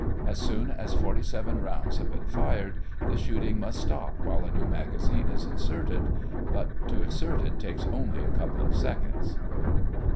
As soon as forty seven rounds have been fired, the shooting must stop while a new magazine is inserted. But to insert it takes only a couple of seconds.